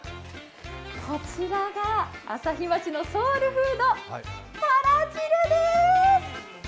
こちらが朝日町のソウルフード・たら汁です。